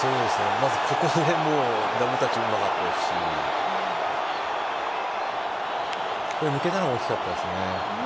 まず、ここでダブルタッチもうまかったですし抜けたのが大きかったですね。